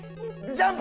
ジャンプ？